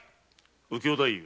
右京太夫。